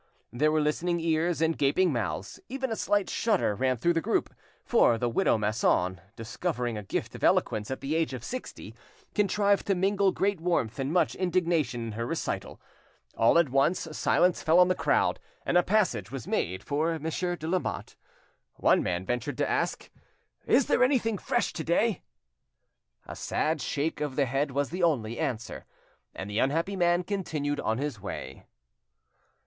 There were listening ears and gaping mouths, even a slight shudder ran through the group; for the widow Masson, discovering a gift of eloquence at the age of sixty, contrived to mingle great warmth and much indignation in her recital. All at once silence fell on the crowd, and a passage was made for Monsieur de Lamotte. One man ventured to ask— "Is there anything fresh to day?" A sad shake of the head was the only answer, and the unhappy man continued his way.